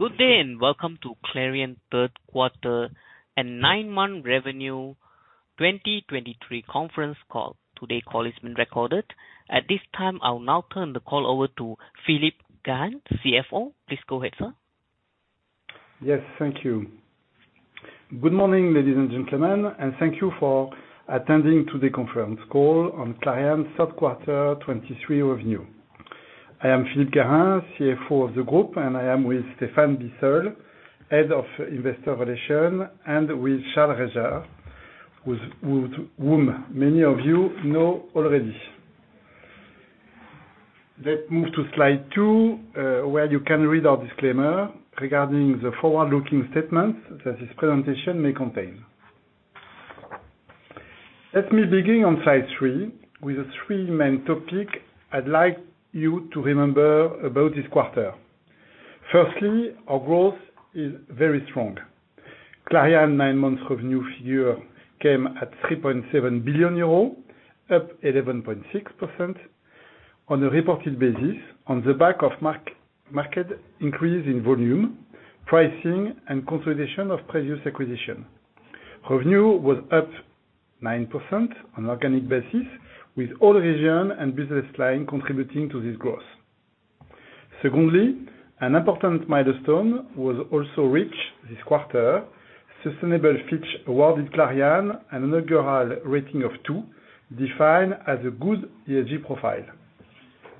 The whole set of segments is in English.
Good day, and welcome to Clariane third quarter and nine-month revenue 2023 conference call. Today's call is being recorded. At this time, I'll now turn the call over to Philippe Garin, CFO. Please go ahead, sir. Yes, thank you. Good morning, ladies and gentlemen, and thank you for attending today's conference call on Clariane third quarter 2023 revenue. I am Philippe Garin, CFO of the group, and I am with Stéphane Bisseuil, Head of Investor Relations, and with Charles Regard, with whom many of you know already. Let's move to slide two, where you can read our disclaimer regarding the forward-looking statements that this presentation may contain. Let me begin on slide three, with the three main topic I'd like you to remember about this quarter. Firstly, our growth is very strong. Clariane nine-month revenue figure came at 3.7 billion euros, up 11.6% on a reported basis, on the back of market increase in volume, pricing, and consolidation of previous acquisition. Revenue was up 9% on organic basis, with all region and business line contributing to this growth. Secondly, an important milestone was also reached this quarter. Sustainable Fitch awarded Clariane an inaugural rating of two, defined as a good ESG profile.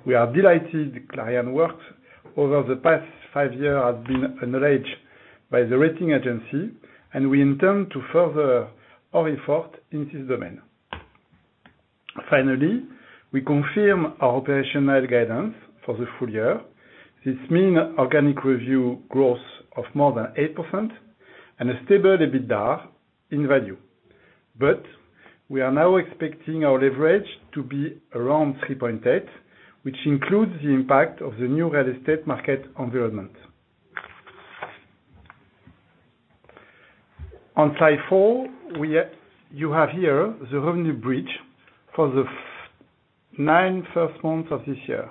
We are delighted Clariane work over the past five years has been acknowledged by the rating agency, and we intend to further our effort in this domain. Finally, we confirm our operational guidance for the full year. This means organic revenue growth of more than 8% and a stable EBITDA in value. But we are now expecting our leverage to be around 3.8, which includes the impact of the new real estate market environment. On slide four, we have you have here the revenue bridge for the first nine months of this year.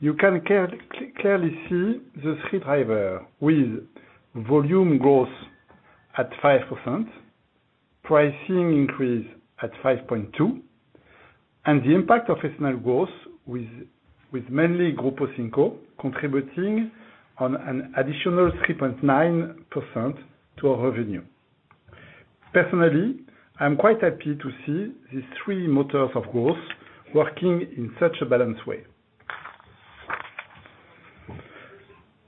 You can clearly see the three drivers, with volume growth at 5%, pricing increase at 5.2%, and the impact of external growth with mainly Grupo 5, contributing an additional 3.9% to our revenue. Personally, I'm quite happy to see these three motors, of course, working in such a balanced way.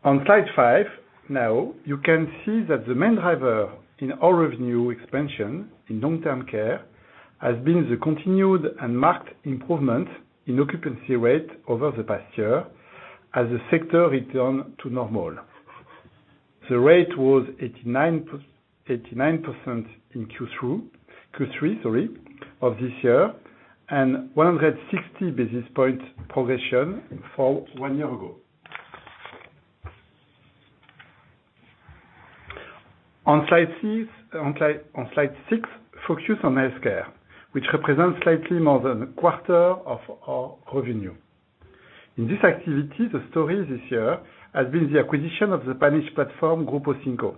On slide five, now, you can see that the main driver in our revenue expansion in long-term care has been the continued and marked improvement in occupancy rate over the past year, as the sector return to normal. The rate was 89% in Q3 of this year, and 160 basis points progression from one year ago. On slide six, focus on healthcare, which represents slightly more than a quarter of our revenue. In this activity, the story this year has been the acquisition of the Spanish platform, Grupo 5.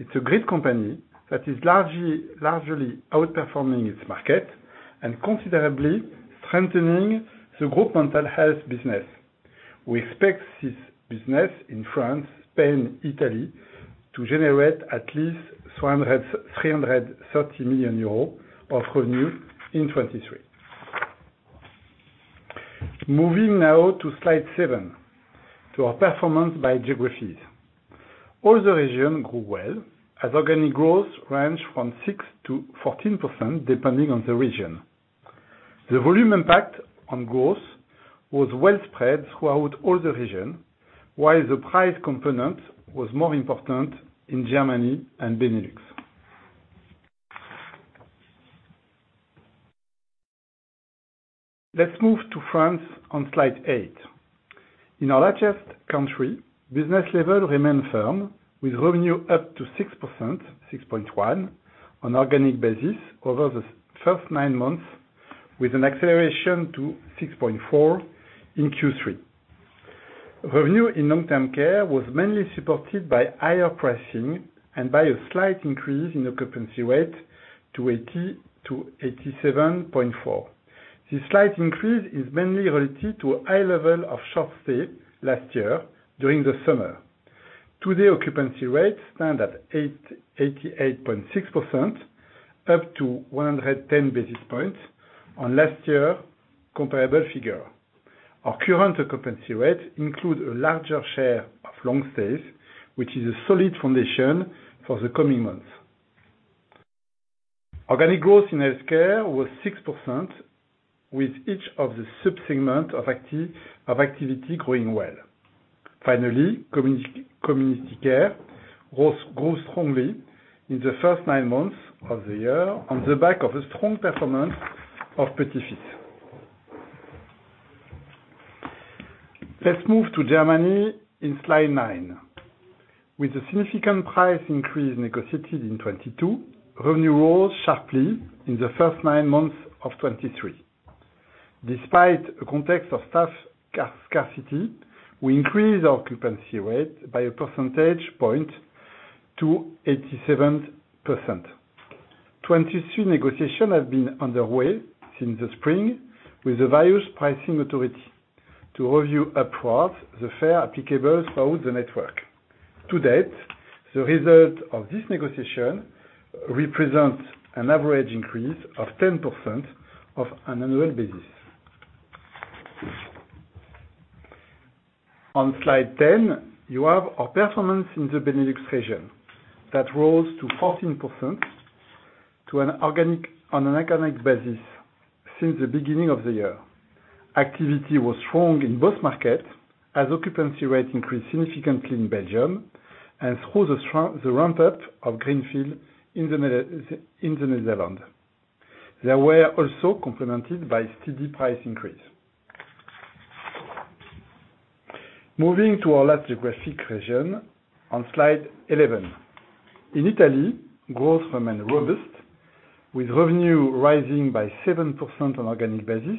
It's a great company that is largely, largely outperforming its market and considerably strengthening the group mental health business. We expect this business in France, Spain, Italy, to generate at least 300, 330 million euros of revenue in 2023. Moving now to slide seven, to our performance by geographies. All the region grew well, as organic growth range from 6%-14%, depending on the region. The volume impact on growth was well-spread throughout all the region, while the price component was more important in Germany and Benelux. Let's move to France on slide eight. In our largest country, business level remained firm, with revenue up 6%, 6.1% on organic basis over the first nine months, with an acceleration to 6.4% in Q3. Revenue in long-term care was mainly supported by higher pricing and by a slight increase in occupancy rate to 87.4%. This slight increase is mainly related to a high level of short stay last year during the summer. Today, occupancy rates stand at 88.6%, up 110 basis points on last year comparable figure. Our current occupancy rate include a larger share of long stays, which is a solid foundation for the coming months. Organic growth in healthcare was 6%, with each of the sub-segment of activity growing well. Finally, community care grows, grew strongly in the first nine months of the year on the back of a strong performance of Petits-fils. Let's move to Germany in slide nine. With a significant price increase negotiated in 2022, revenue rose sharply in the first nine months of 2023. Despite a context of staff scarcity, we increased our occupancy rate by a percentage point to 87%. 2023 negotiations have been underway since the spring, with the various pricing authority to review across the fare applicable throughout the network. To date, the result of this negotiation represents an average increase of 10% on an annual basis. On slide 10, you have our performance in the Benelux region, that rose to 14% on an organic, on an economic basis since the beginning of the year. Activity was strong in both markets, as occupancy rates increased significantly in Belgium and through the strong ramp up of greenfield in the Netherlands. They were also complemented by steady price increase. Moving to our last geographic region, on slide 11. In Italy, growth remained robust, with revenue rising by 7% on organic basis,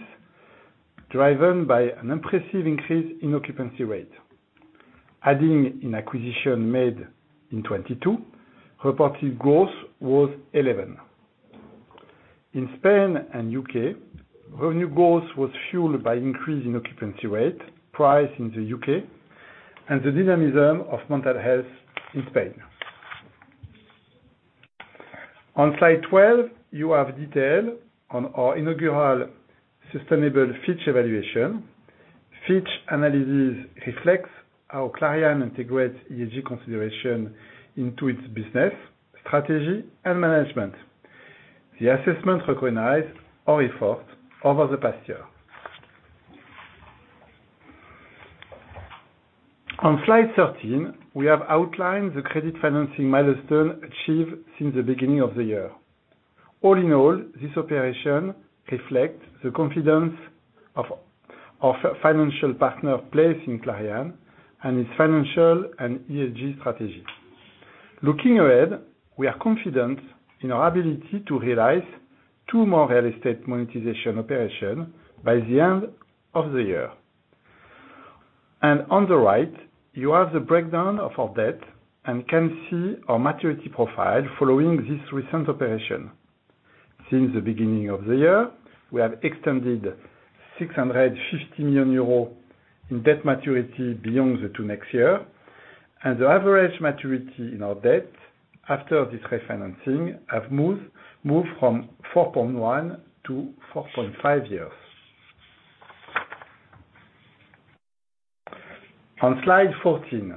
driven by an impressive increase in occupancy rate. Adding an acquisition made in 2022, reported growth was 11. In Spain and U.K., revenue growth was fueled by increase in occupancy rate, price in the U.K., and the dynamism of mental health in Spain. On slide 12, you have detail on our inaugural Sustainable Fitch evaluation. Fitch analysis reflects how Clariane integrates ESG consideration into its business, strategy, and management. The assessment recognized our effort over the past year. On slide 13, we have outlined the credit financing milestone achieved since the beginning of the year. All in all, this operation reflects the confidence of our financial partners in Clariane and its financial and ESG strategy. Looking ahead, we are confident in our ability to realize two more real estate monetization operation by the end of the year. On the right, you have the breakdown of our debt and can see our maturity profile following this recent operation. Since the beginning of the year, we have extended 650 million euros in debt maturity beyond the next two years, and the average maturity in our debt after this refinancing have moved from 4.1-4.5 years. On slide 14,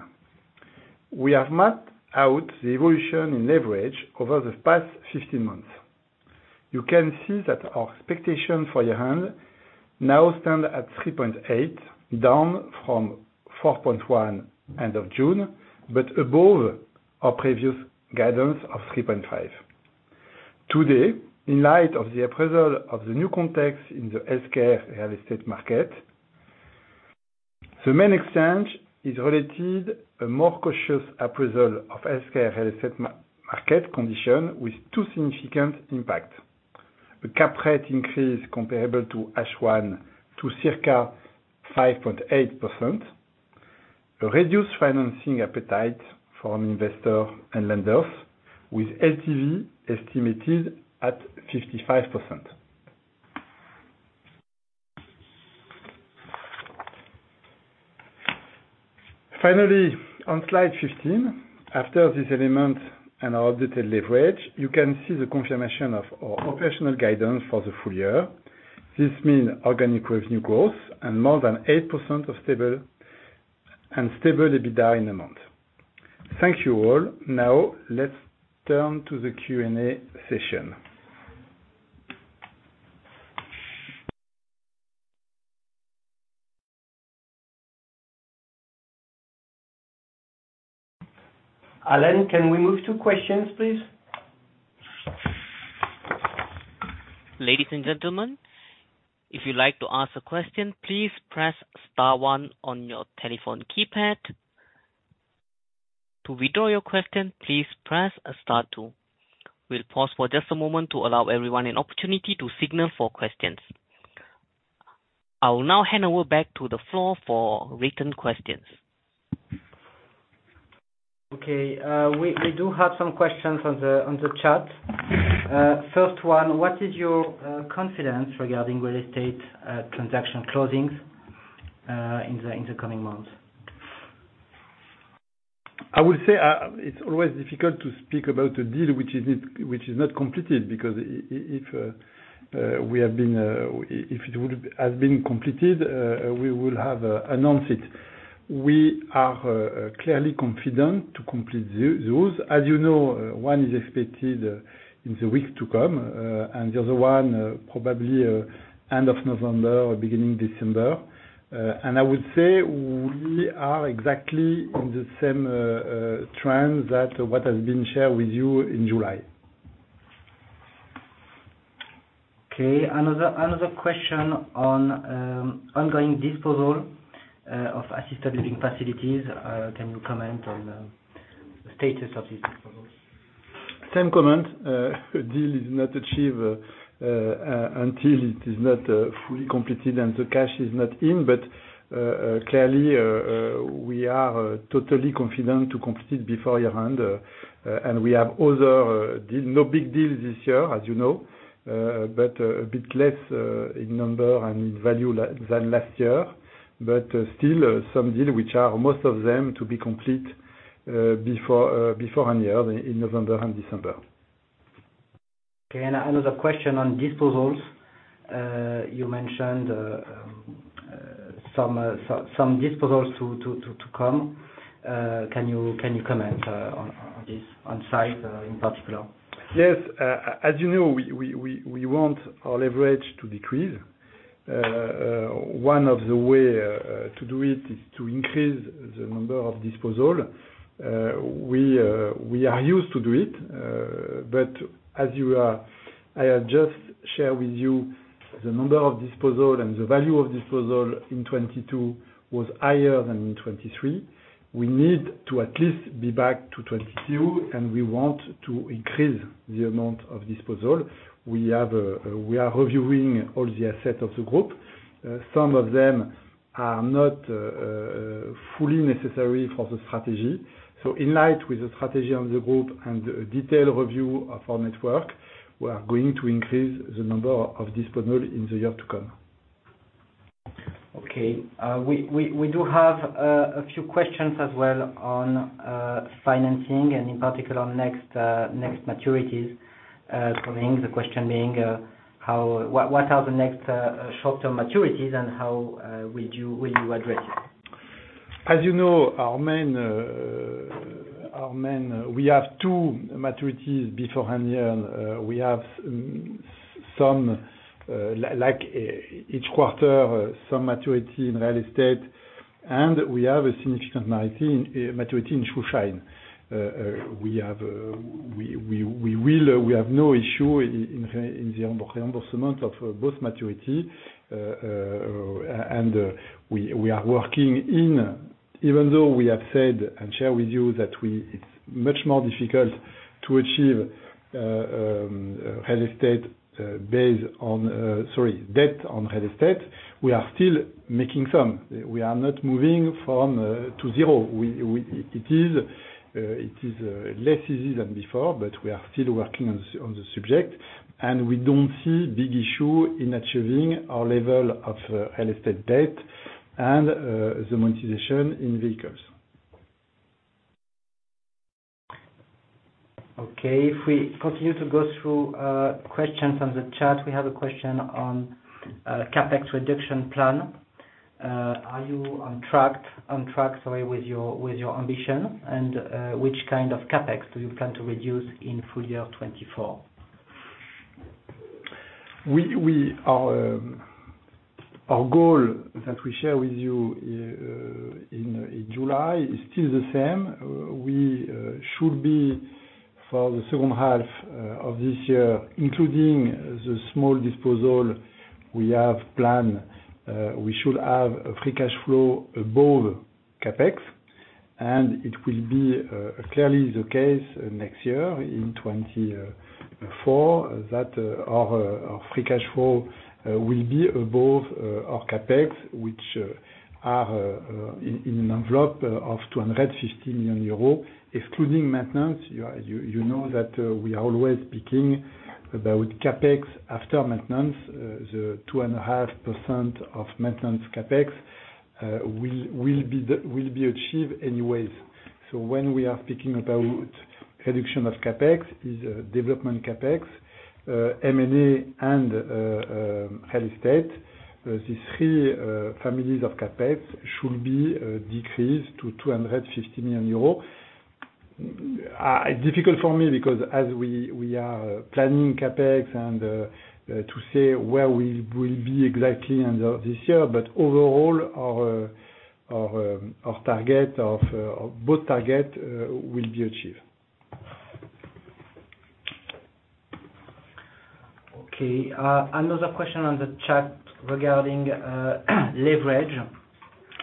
we have mapped out the evolution in leverage over the past 15 months. You can see that our expectation for year end now stand at 3.8, down from 4.1, end of June, but above our previous guidance of 3.5. Today, in light of the appraisal of the new context in the healthcare real estate market, the main exchange is related a more cautious appraisal of healthcare real estate market condition, with two significant impact. A cap rate increase comparable to H1 to circa 5.8%. A reduced financing appetite from investor and lenders, with LTV estimated at 55%. Finally, on slide 15, after this element and our updated leverage, you can see the confirmation of our operational guidance for the full year. This means organic revenue growth and more than 8% of stable, and stable EBITDA in a month. Thank you, all. Now, let's turn to the Q&A session. Alan, can we move to questions, please? Ladies and gentlemen, if you'd like to ask a question, please press star one on your telephone keypad. To withdraw your question, please press star two. We'll pause for just a moment to allow everyone an opportunity to signal for questions. I will now hand over back to the floor for written questions. Okay, we do have some questions on the chat. First one: What is your confidence regarding real estate transaction closings in the coming months? I would say, it's always difficult to speak about a deal which is not completed, because if it would have been completed, we will have announced it. We are clearly confident to complete those. As you know, one is expected in the week to come, and the other one probably end of November or beginning December. And I would say we are exactly on the same trend that what has been shared with you in July. Okay, another question on ongoing disposal of assisted living facilities. Can you comment on the status of this proposal? Same comment, a deal is not achieved until it is not fully completed and the cash is not in. But clearly, we are totally confident to complete it before year end. And we have other deal—no big deal this year, as you know, but a bit less in number and in value than last year. But still, some deal which are most of them to be complete before end year, in November and December. Okay. And another question on disposals. You mentioned some disposals to come. Can you comment on this, on site, in particular? Yes. As you know, we want our leverage to decrease. One of the ways to do it is to increase the number of disposal. We are used to do it, but as you are—I have just shared with you the number of disposal and the value of disposal in 2022 was higher than in 2023. We need to at least be back to 2022, and we want to increase the amount of disposal. We are reviewing all the assets of the group. Some of them are not fully necessary for the strategy. So in line with the strategy of the group and the detailed review of our network, we are going to increase the number of disposal in the year to come. Okay. We do have a few questions as well on financing and in particular, on next maturities coming. The question being, how—what are the next short-term maturities and how will you address it? As you know, our main, we have two maturities before end year. We have some, like, each quarter, some maturity in real estate, and we have a significant maturity in Schuldschein. We have no issue in the reimbursement of both maturity. And we are working in, even though we have said and shared with you that we, it's much more difficult to achieve real estate based on, sorry, debt on real estate, we are still making some. We are not moving from to zero. It is less easy than before, but we are still working on the subject, and we don't see big issue in achieving our level of real estate debt and the monetization in vehicles. Okay. If we continue to go through questions on the chat, we have a question on CapEx reduction plan. Are you on track, sorry, with your ambition? And which kind of CapEx do you plan to reduce in full year 2024? Our goal that we share with you in July is still the same. We should be, for the second half of this year, including the small disposal we have planned, we should have a free cash flow above CapEx, and it will be clearly the case next year, in 2024, that our free cash flow will be above our CapEx, which are in an envelope of 250 million euros, excluding maintenance. You know that we are always speaking about CapEx after maintenance. The 2.5% of maintenance CapEx will be achieved anyways. So when we are speaking about reduction of CapEx, development CapEx, M&A, and real estate. These three families of CapEx should be decreased to 250 million euros. It's difficult for me because as we are planning CapEx and to say where we will be exactly end of this year. But overall, our target of both target will be achieved. Okay. Another question on the chat regarding leverage,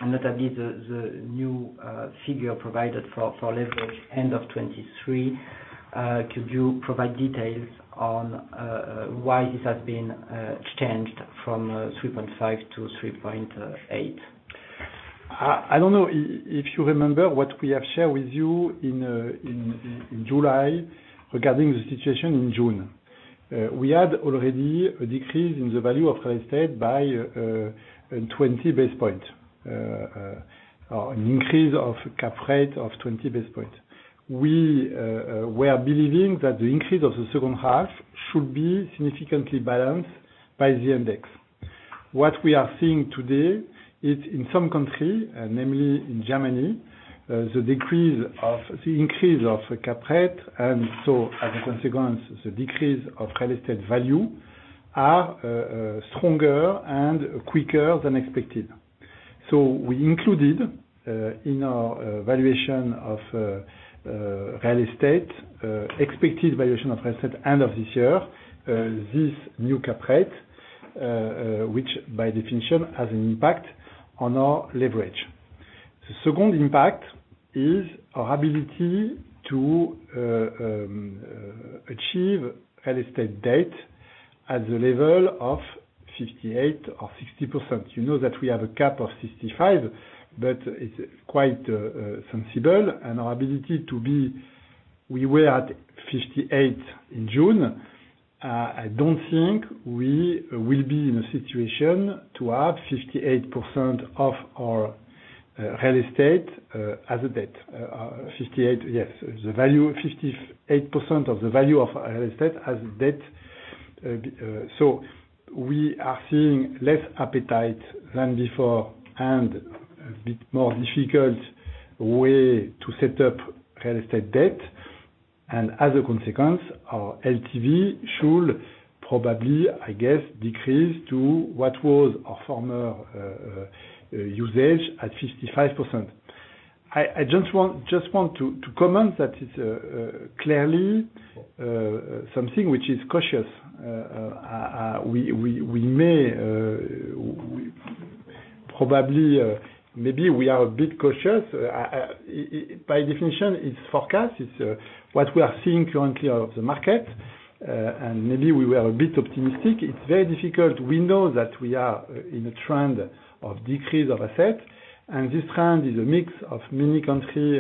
and notably the new figure provided for leverage end of 2023. Could you provide details on why this has been changed from 3.5-3.8? I don't know if you remember what we have shared with you in July regarding the situation in June. We had already a decrease in the value of real estate by 20 basis points, or an increase of cap rate of 20 basis points. We were believing that the increase of the second half should be significantly balanced by the index. What we are seeing today is in some country, and namely in Germany, the increase of cap rate, and so as a consequence, the decrease of real estate value, are stronger and quicker than expected. So we included in our valuation of real estate expected valuation of real estate end of this year this new cap rate which by definition has an impact on our leverage. The second impact is our ability to achieve real estate debt at the level of 58%-60%. You know that we have a cap of 65, but it's quite sensible, and our ability to be- we were at 58 in June. I don't think we will be in a situation to have 58% of our real estate as a debt. 58, yes, the value, 58% of the value of our real estate as debt. So we are seeing less appetite than before and a bit more difficult way to set up real estate debt. As a consequence, our LTV should probably, I guess, decrease to what was our former usage at 55%. I just want to comment that it's clearly something which is cautious. We may, we probably, maybe we are a bit cautious. By definition, it's forecast. It's what we are seeing currently of the market, and maybe we were a bit optimistic. It's very difficult. We know that we are in a trend of decrease of asset, and this trend is a mix of many country.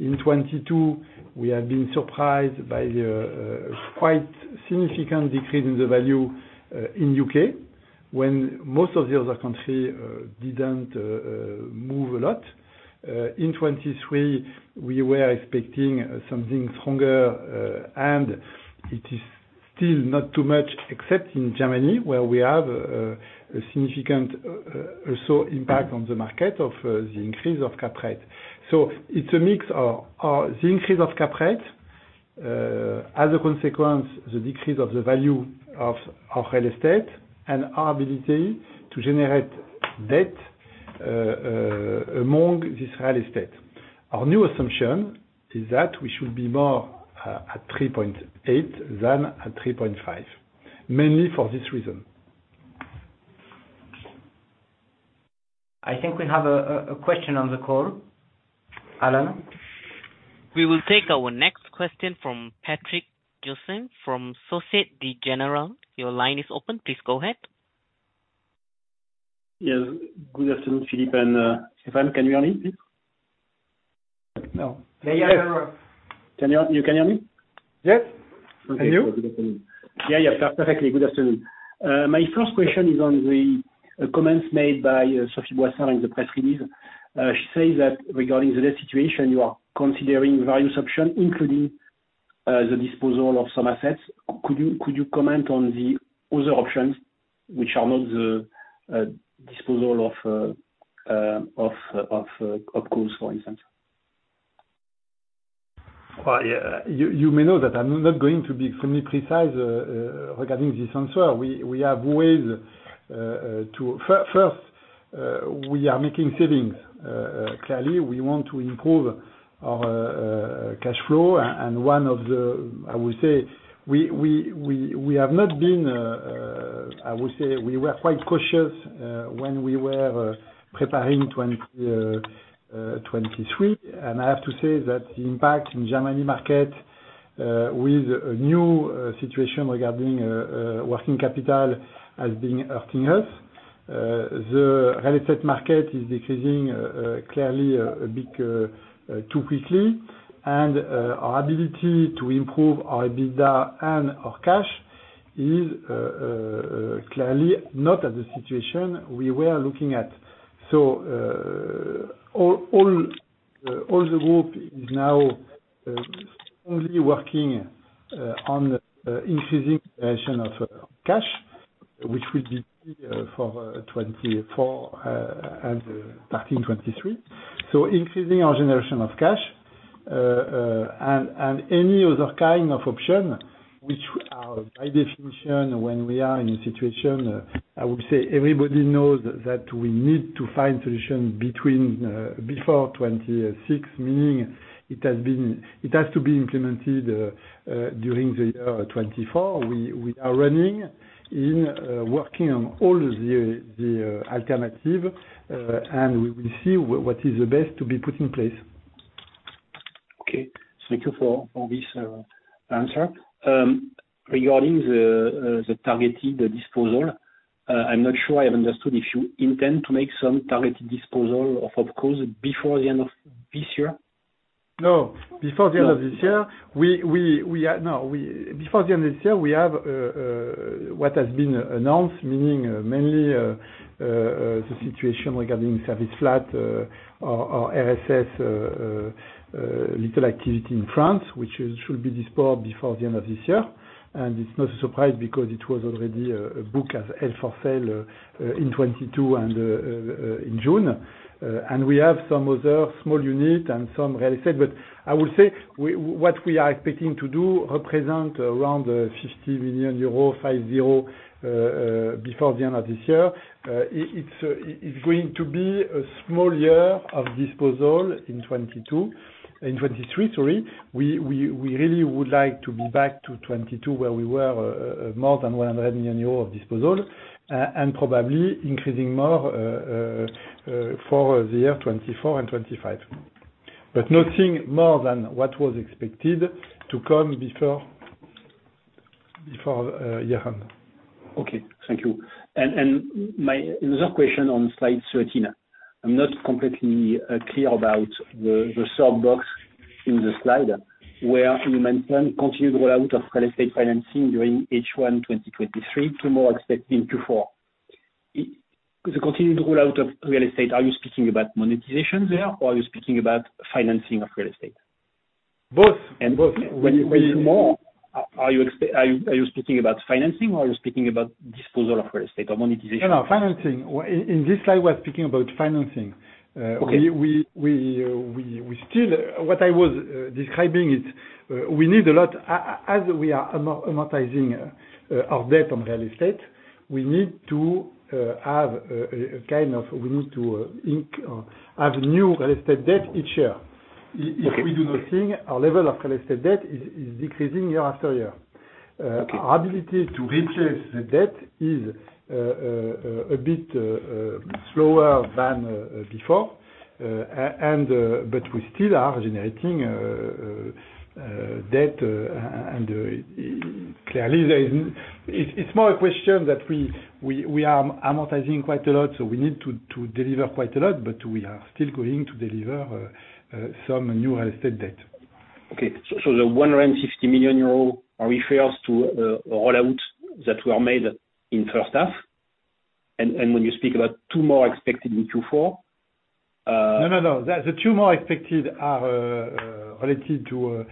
In 2022, we have been surprised by the quite significant decrease in the value in U.K., when most of the other country didn't move a lot. In 2023, we were expecting something stronger, and it is still not too much, except in Germany, where we have a significant impact on the market of the increase of cap rate. So it's a mix of the increase of cap rate, as a consequence, the decrease of the value of our real estate and our ability to generate debt among this real estate. Our new assumption is that we should be more at 3.8 than at 3.5, mainly for this reason. I think we have a question on the call. Alan? We will take our next question from Patrick Gilson from Société Générale. Your line is open. Please go ahead. Yes. Good afternoon, Philippe and, Stéphane. Can you hear me, please? No. Yeah, yeah. Can you hear me? Yes. Can you? Yeah, yeah, perfectly. Good afternoon. My first question is on the comments made by Sophie Boissard in the press release. She says that regarding the situation, you are considering various option, including the disposal of some assets. Could you, could you comment on the other options which are not the disposal of Opcos, for instance? Well, yeah, you may know that I'm not going to be extremely precise regarding this answer. We have ways to—First, we are making savings, clearly, we want to improve our cash flow, and one of the... I would say, we have not been, I would say we were quite cautious when we were preparing 2023. And I have to say that the impact in Germany market with a new situation regarding working capital has been hurting us. The real estate market is decreasing, clearly, a bit too quickly. And our ability to improve our EBITDA and our cash is clearly not at the situation we were looking at. So, all the group is now only working on increasing generation of cash, which will be for 2024 and starting 2023. So increasing our generation of cash, and any other kind of option which are, by definition, when we are in a situation, I would say everybody knows that we need to find solution between before 2026, meaning it has to be implemented during the year 2024. We are running in working on all the alternative, and we will see what is the best to be put in place. Okay. Thank you for this answer. Regarding the targeted disposal, I'm not sure I have understood if you intend to make some targeted disposal of Opcos before the end of this year? No, before the end of this year, we have what has been announced, meaning mainly the situation regarding service flat or RSS little activity in France, which should be disposed before the end of this year. And it's not a surprise because it was already booked as held for sale in 2022 and in June. And we have some other small unit and some real estate. But I will say, what we are expecting to do represent around 50 million euros before the end of this year. It's going to be a small year of disposal in 2022, in 2023, sorry. We really would like to be back to 2022, where we were, more than 100 million euros of disposal, and probably increasing more, for the year 2024 and 2025... but nothing more than what was expected to come before, before Johan. Okay, thank you. And my other question on slide 13, I'm not completely clear about the third box in the slide, where you mentioned continued rollout of real estate financing during H1 2023, to more expecting to four. The continued rollout of real estate, are you speaking about monetization there, or are you speaking about financing of real estate? Both. And both. When more are you speaking about financing or are you speaking about disposal of real estate or monetization? No, financing. In this slide, we're speaking about financing. Okay. We still, what I was describing is, we need a lot, as we are amortizing our debt on real estate, we need to have a kind of, we need to have new real estate debt each year. Okay. If we do nothing, our level of real estate debt is decreasing year after year. Okay. Our ability to replace the debt is a bit slower than before. But we still are generating debt, and clearly there is, it's more a question that we are amortizing quite a lot, so we need to deliver quite a lot, but we are still going to deliver some new real estate debt. Okay. So, the 150 million euros refers to rollout that were made in first half? And, and when you speak about two more expected in Q4? No, no, no. The two more expected are related to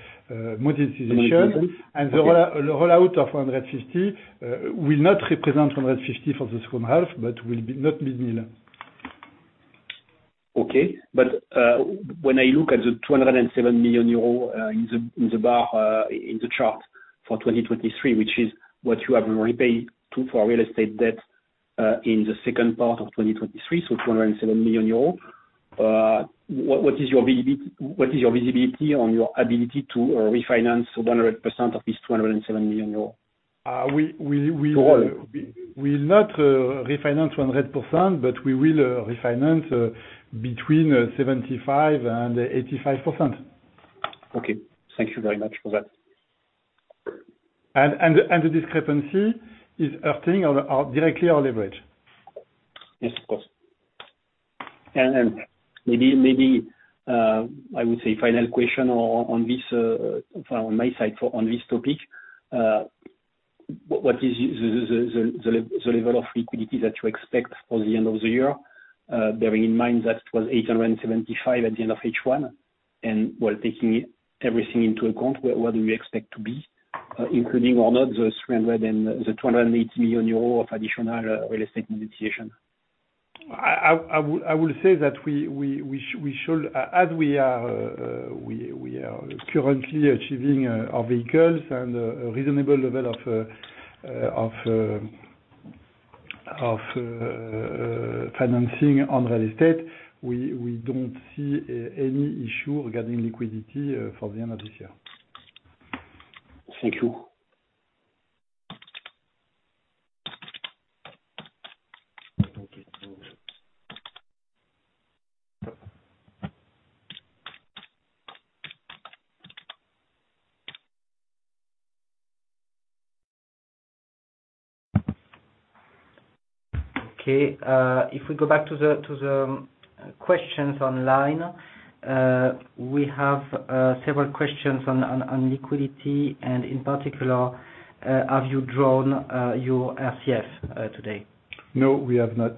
monetization. Monetization. The rollout of 150 will not represent 150 for the second half, but will be not million. Okay. But when I look at the 207 million euro in the bar in the chart for 2023, which is what you have repaid to for real estate debt in the second part of 2023, so 207 million euros, what is your visibility on your ability to refinance 100% of this 207 million euros? We, we, we- To all. We'll not refinance 100%, but we will refinance between 75% and 85%. Okay. Thank you very much for that. The discrepancy is affecting our leverage directly. Yes, of course. And maybe I would say final question on this from my side on this topic. What is the level of liquidity that you expect for the end of the year, bearing in mind that was 875 at the end of H1, and while taking everything into account, where do we expect to be, including or not, the 300 million and the 280 million euro of additional real estate monetization? I would say that as we are currently achieving our vehicles and a reasonable level of financing on real estate, we don't see any issue regarding liquidity for the end of this year. Thank you. Okay, if we go back to the questions online, we have several questions on liquidity, and in particular, have you drawn your RCF today? No, we have not.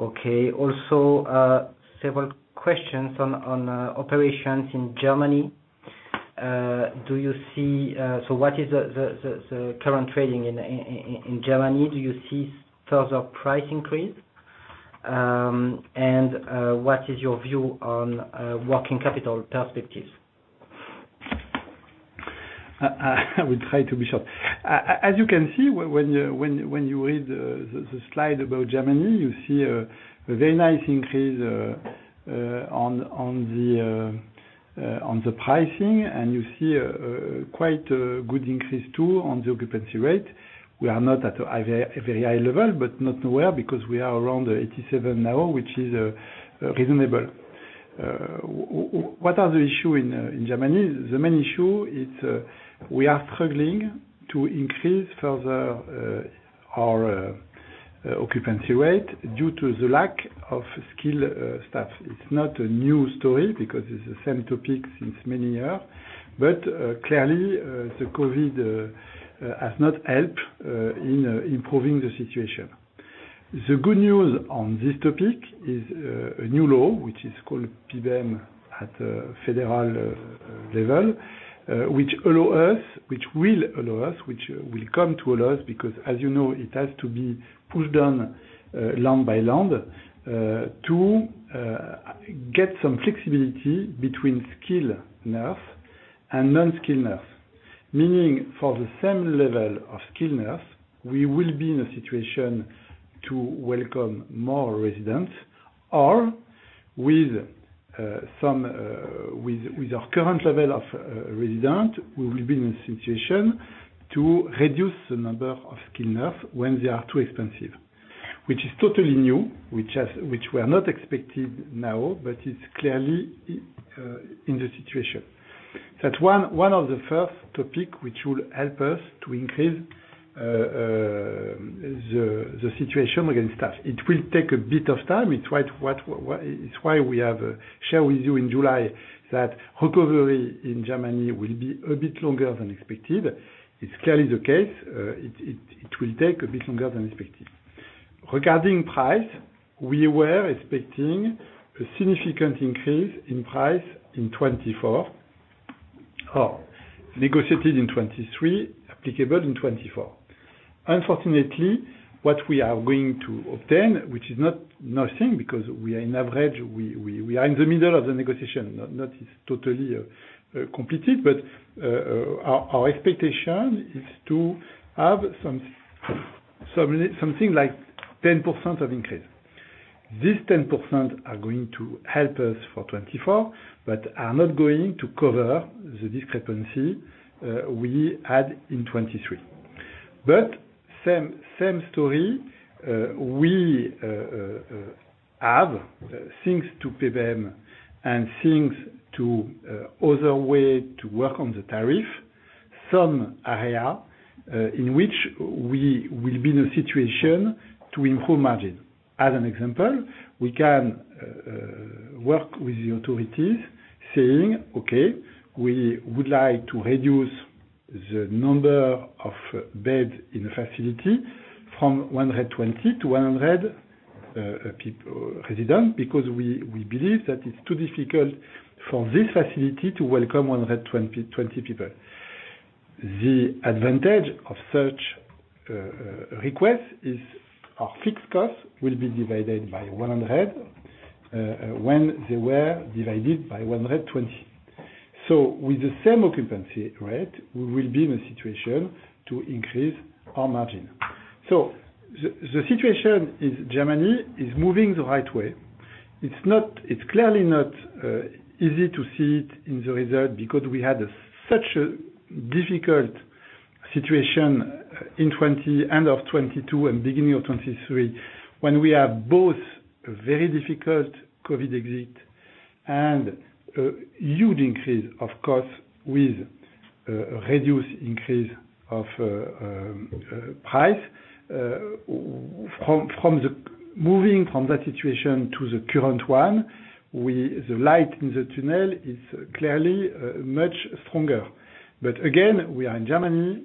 Okay. Also, several questions on operations in Germany. Do you see, so what is the current trading in Germany? Do you see further price increase? And, what is your view on working capital perspectives? I will try to be short. As you can see, when you read the slide about Germany, you see a very nice increase on the pricing, and you see quite a good increase too on the occupancy rate. We are not at a very high level, but not nowhere, because we are around 87 now, which is reasonable. What are the issue in Germany? The main issue is, we are struggling to increase further our occupancy rate due to the lack of skilled staff. It's not a new story, because it's the same topic since many years, but clearly, the COVID has not helped in improving the situation. The good news on this topic is, a new law, which is called PBEM, at the federal level, which allow us, which will allow us, which will come to allow us, because as you know, it has to be pushed down, land by land, to get some flexibility between skilled nurse and non-skilled nurse. Meaning for the same level of skilled nurse, we will be in a situation to welcome more residents or with some, with our current level of resident, we will be in a situation to reduce the number of skilled nurse when they are too expensive, which is totally new, which has, which we are not expected now, but it's clearly in the situation. That one, one of the first topic which will help us to increase the situation against staff. It will take a bit of time. It's why we have shared with you in July that recovery in Germany will be a bit longer than expected. It's clearly the case. It will take a bit longer than expected. Regarding price, we were expecting a significant increase in price in 2024. Negotiated in 2023, applicable in 2024. Unfortunately, what we are going to obtain, which is not nothing, because we are in average, we are in the middle of the negotiation, not totally completed. But our expectation is to have something like 10% of increase. This ten percent are going to help us for 2024, but are not going to cover the discrepancy we had in 2023. But same story. We have things to pay them and things the other way to work on the tariff. Some area in which we will be in a situation to improve margin. As an example, we can work with the authorities saying, "Okay, we would like to reduce the number of beds in the facility from 120-100 per resident, because we believe that it's too difficult for this facility to welcome 120 people." The advantage of such request is our fixed cost will be divided by 100 when they were divided by 120. So with the same occupancy rate, we will be in a situation to increase our margin. So the situation in Germany is moving the right way. It's not. It's clearly not easy to see it in the result, because we had such a difficult situation in end of 2022 and beginning of 2023, when we have both a very difficult COVID exit and a huge increase of cost with reduced increase of price. From the moving from that situation to the current one, the light in the tunnel is clearly much stronger. But again, we are in Germany,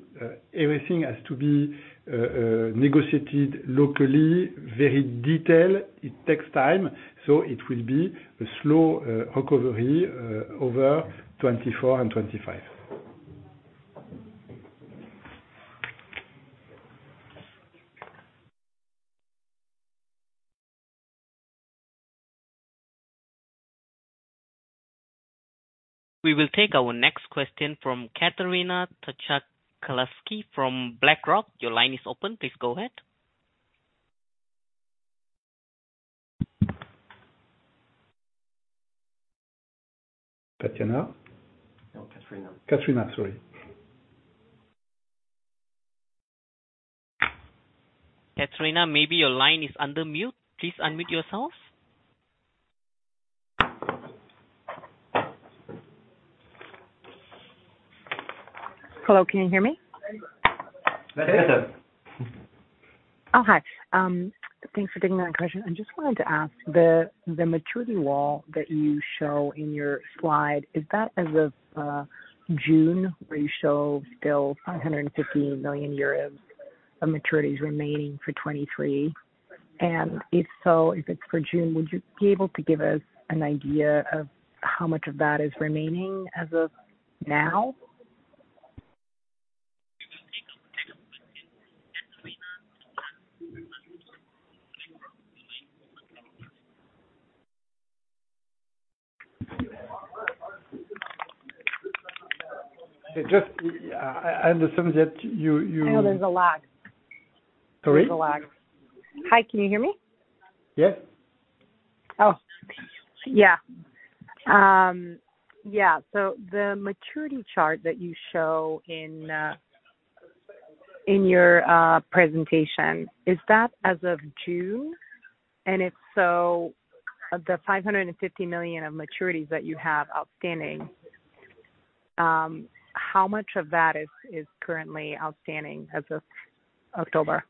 everything has to be negotiated locally, very detailed. It takes time, so it will be a slow recovery over 2024 and 2025. We will take our next question from Katarina Borichevsky from BlackRock. Your line is open. Please go ahead. Katarina? No, Katarina. Katarina, sorry. Katarina, maybe your line is under mute. Please unmute yourself. Hello, can you hear me? Yes. Oh, hi. Thanks for taking my question. I just wanted to ask, the maturity wall that you show in your slide, is that as of June, where you show still 550 million euros of maturities remaining for 2023? And if so, if it's for June, would you be able to give us an idea of how much of that is remaining as of now? It just... I understand that you... Oh, there's a lag. Sorry? There's a lag. Hi, can you hear me? Yes. Oh, yeah. Yeah. So the maturity chart that you show in your presentation, is that as of June? And if so, the 550 million of maturities that you have outstanding, how much of that is currently outstanding as of October?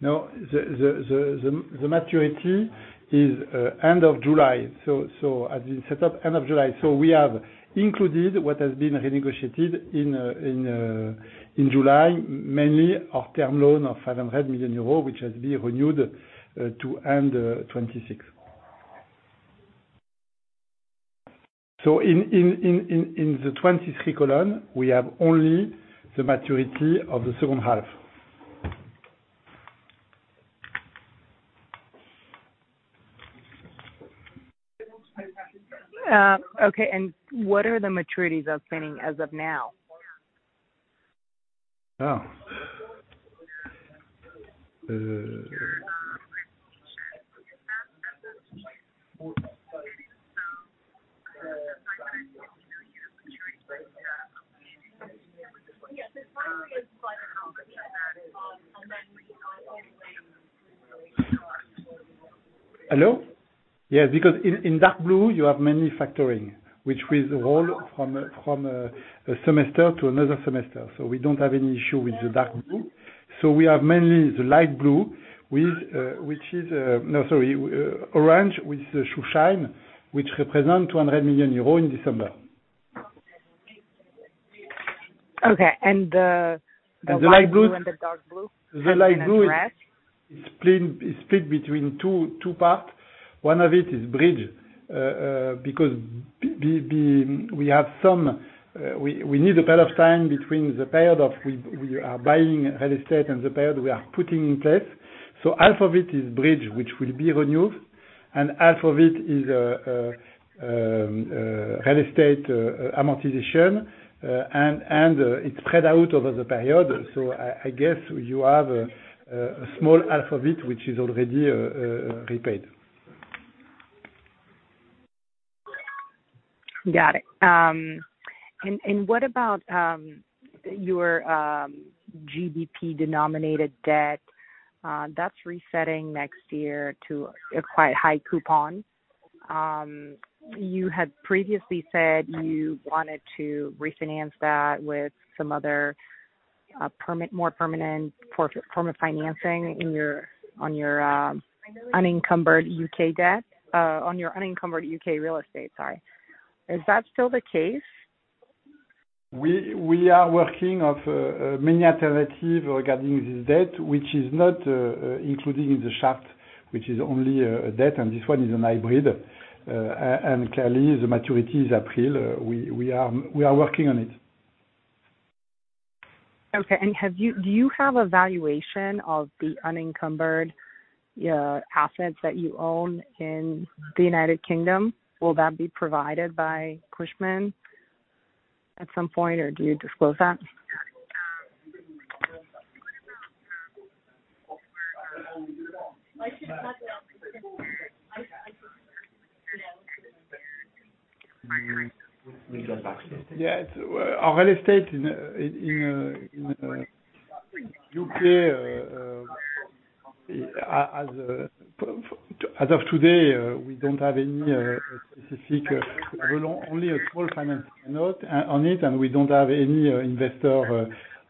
No, the maturity is end of July, so as in set up, end of July. So we have included what has been renegotiated in July, mainly our term loan of 500 million euros, which has been renewed to end 2026. So in the 2023 column, we have only the maturity of the second half. Okay. What are the maturities outstanding as of now? Oh.... hello? Yes, because in dark blue, you have manufacturing, which with roll from a semester to another semester, so we don't have any issue with the dark blue. So we have mainly the light blue, with, which is, no, sorry, orange with Schuldschein, which represent EUR 200 million in December. Okay. And, the light blue and the dark blue? The light blue- The red. The light blue is split between two parts. One of it is bridge because we have some we need a bit of time between the period we are buying real estate and the period we are putting in place. So half of it is bridge, which will be renewed, and half of it is real estate amortization, and it's spread out over the period. So I guess you have a small half of it, which is already repaid. Got it. And what about your GBP-denominated debt that's resetting next year to a quite high coupon. You had previously said you wanted to refinance that with some other, perhaps more permanent form of financing in your, on your, unencumbered U.K. debt, on your unencumbered U.K. real estate, sorry. Is that still the case? We are working on many alternatives regarding this debt, which is not included in the chart, which is only a debt, and this one is a hybrid. And clearly, the maturity is April. We are working on it. Okay. Do you have a valuation of the unencumbered assets that you own in the United Kingdom? Will that be provided by Cushman at some point, or do you disclose that? Yeah, it's our real estate in the U.K. as of today, we don't have any specific, only a small finance note on it, and we don't have any investor.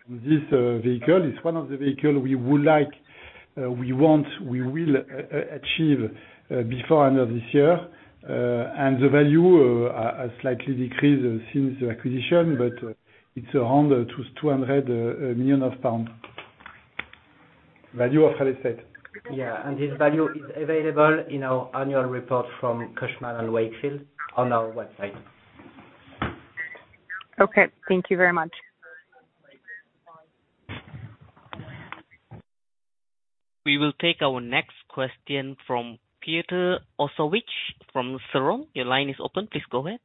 This vehicle is one of the vehicle we would like, we want, we will achieve before end of this year. And the value has slightly decreased since the acquisition, but it's around 200 million pounds. Value of real estate. Yeah, and this value is available in our annual report from Cushman & Wakefield on our website. Okay, thank you very much. We will take our next question from [Peter Osevich from Cairn]. Your line is open, please go ahead.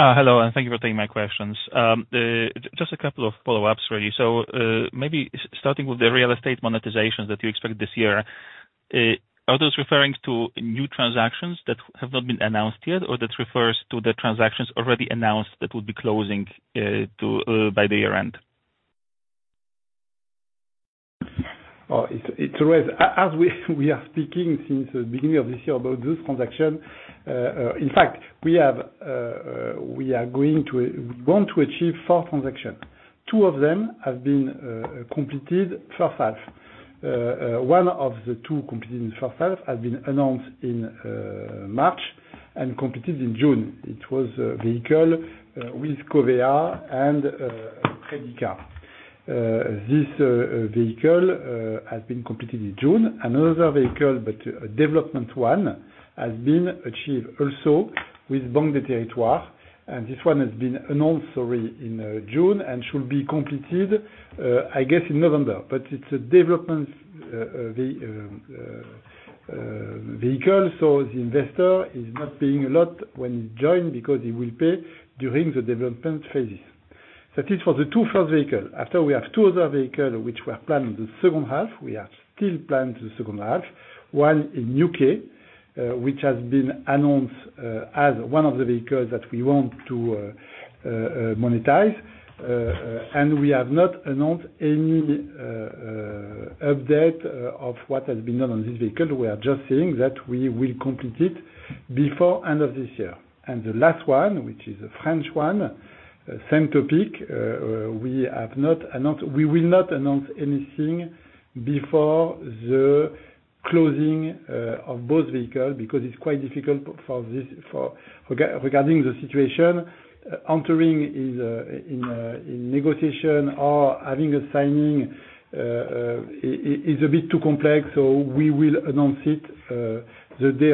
Hello, and thank you for taking my questions. Just a couple of follow-ups, really. So, maybe starting with the real estate monetizations that you expect this year, are those referring to new transactions that have not been announced yet, or that refers to the transactions already announced that will be closing by the year end? Oh, it's always. As we are speaking since the beginning of this year about this transaction, in fact, we have, we are going to, we want to achieve four transactions. Two of them have been completed first half. One of the two completed in first half has been announced in March and completed in June. It was a vehicle with Covéa and Crédit Agricole. This vehicle has been completed in June. Another vehicle, but a development one, has been achieved also with Banque des Territoires, and this one has been announced, sorry, in June, and should be completed, I guess, in November. But it's a development vehicle, so the investor is not paying a lot when he join, because he will pay during the development phases. That is for the two first vehicle. After, we have two other vehicle which were planned in the second half. We are still planned the second half. One in U.K., which has been announced, as one of the vehicles that we want to, monetize. And we have not announced any, update, of what has been done on this vehicle. We are just saying that we will complete it before end of this year. And the last one, which is a French one, same topic. We have not announced. We will not announce anything before the closing of both vehicles, because it's quite difficult for this, regarding the situation. Entering is in negotiation or having a signing is a bit too complex, so we will announce it the day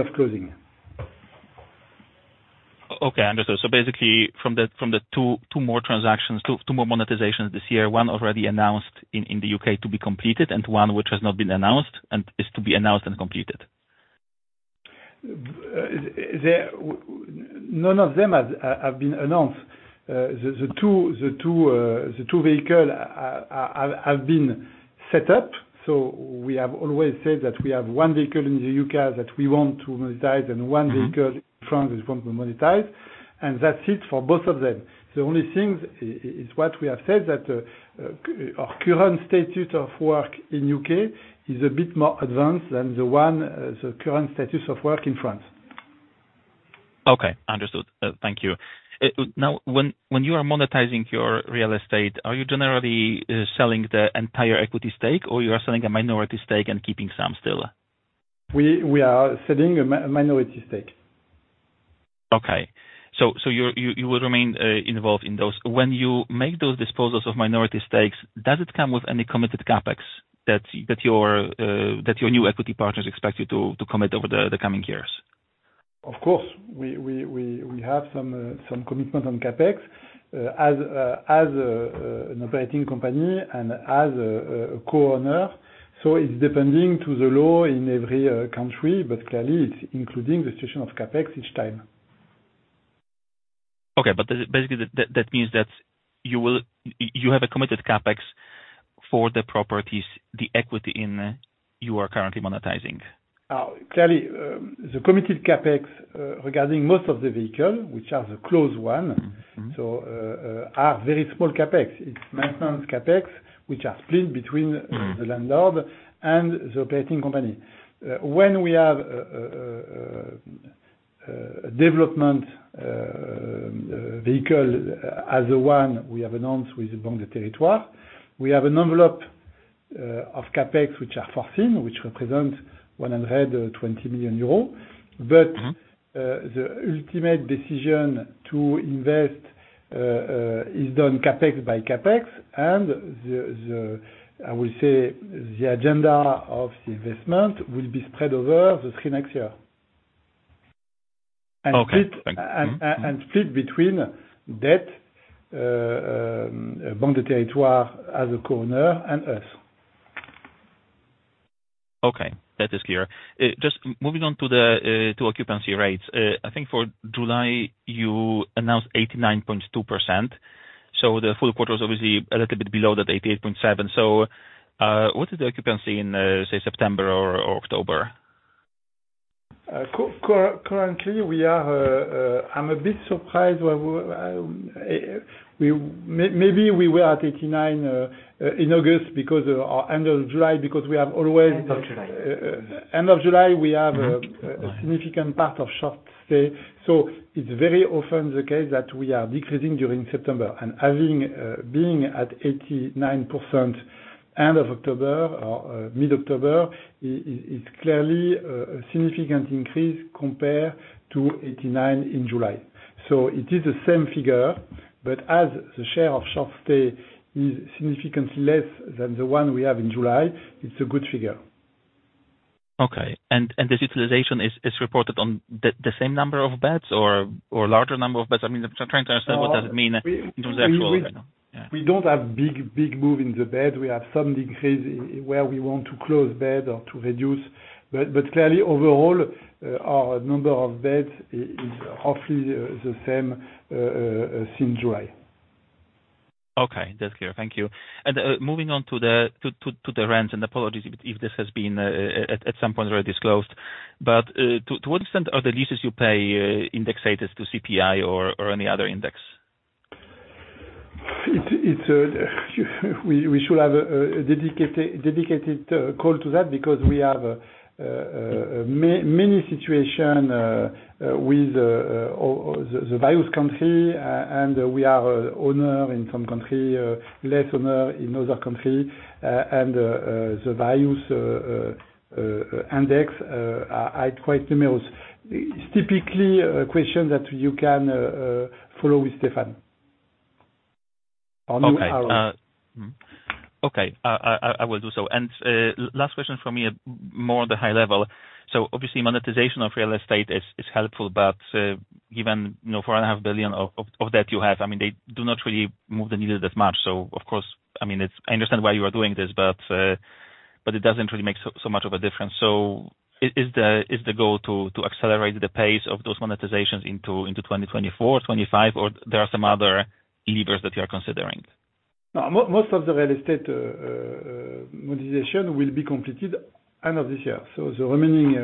of closing. Okay, understood. So basically, from the two more transactions, two more monetizations this year, one already announced in the U.K. to be completed, and one which has not been announced, and is to be announced and completed? There were none of them have been announced. The two vehicles have been set up, so we have always said that we have one vehicle in the U.K. that we want to monetize, and one vehicle in France we want to monetize, and that's it for both of them. The only thing is what we have said, that our current status of work in U.K. is a bit more advanced than the one, the current status of work in France. Okay, understood. Thank you. Now, when you are monetizing your real estate, are you generally selling the entire equity stake, or you are selling a minority stake and keeping some still? We are selling a minority stake. Okay, so you will remain involved in those. When you make those disposals of minority stakes, does it come with any committed CapEx that your new equity partners expect you to commit over the coming years? Of course, we have some commitment on CapEx, as an operating company and as a co-owner. So it's depending to the law in every country, but clearly it's including the decision of CapEx each time. Okay, but basically, that means that you will... you have a committed CapEx for the properties, the equity in, you are currently monetizing? Clearly, the committed CapEx, regarding most of the vehicle, which are the close one so are very small CapEx. It's maintenance CapEx, which are split between the landlord and the operating company. When we have a development vehicle, as one we have announced with Banque des Territoires, we have an envelope of CapEx, which are foreseen, which represent 120 million euros. The ultimate decision to invest is done CapEx by CapEx, and I will say, the agenda of the investment will be spread over the three next year. Okay, thank you. Split between that, Banque des Territoires as a co-owner and us. Okay, that is clear. Just moving on to the occupancy rates. I think for July, you announced 89.2%, so the full quarter was obviously a little bit below that 88.7. So, what is the occupancy in, say, September or October? Currently, we are, I'm a bit surprised where we, maybe we were at 89 in August because of our end of July, because we have always- End of July. End of July, we have a significant part of short stay. So it's very often the case that we are decreasing during September, and having being at 89% end of October or mid-October is clearly a significant increase compared to 89 in July. So it is the same figure, but as the share of short stay is significantly less than the one we have in July, it's a good figure. Okay. And this utilization is reported on the same number of beds or larger number of beds? I mean, I'm trying to understand what that mean in terms of actual- We don't have big move in the bed. We have some decrease where we want to close bed or to reduce, but clearly overall, our number of beds is roughly the same since July. Okay, that's clear. Thank you. And moving on to the rents, and apologies if this has been at some point already disclosed. But to what extent are the leases you pay indexed to CPI or any other index? It's, we should have a dedicated call to that, because we have many situations with the various countries, and we are owners in some countries, less owners in other countries. And the values index are quite numerous. It's typically a question that you can follow with Stéphane or you are- Okay. Okay, I will do so. And last question for me, more on the high level. So obviously monetization of real estate is helpful, but given, you know, 4.5 billion of that you have, I mean, they do not really move the needle that much. So of course, I mean, it's... I understand why you are doing this, but it doesn't really make so much of a difference. So is the goal to accelerate the pace of those monetizations into 2024, 2025, or there are some other levers that you are considering? No, most of the real estate monetization will be completed end of this year. So the remaining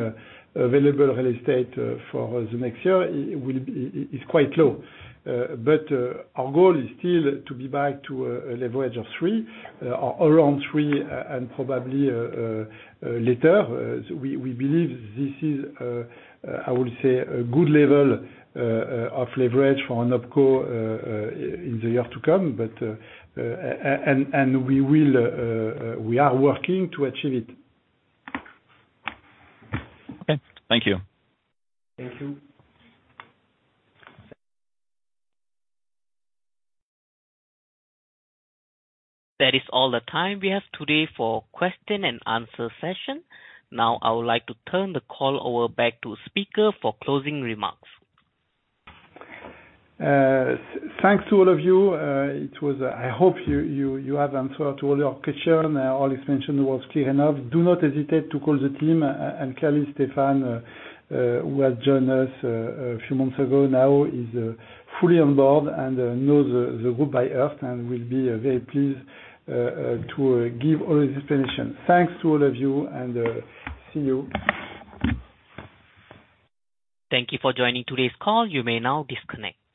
available real estate for the next year is quite low. But our goal is still to be back to a leverage of three or around three and probably later. So we believe this is, I would say, a good level of leverage for an Opco in the year to come. But we are working to achieve it. Okay, thank you. Thank you. That is all the time we have today for question-and-answer session. Now, I would like to turn the call over back to speaker for closing remarks. Thanks to all of you. I hope you have answer to all your question, all explanation was clear enough. Do not hesitate to call the team, and clearly Stéphane, who has joined us a few months ago now, is fully on board, and knows the group by heart, and will be very pleased to give all his explanation. Thanks to all of you, and see you. Thank you for joining today's call. You may now disconnect.